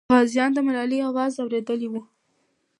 غازیانو د ملالۍ اواز اورېدلی وو.